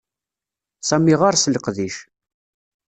Sami ɣeṛ-s leqdic.